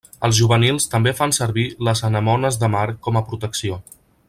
Els juvenils també fan servir les anemones de mar com a protecció.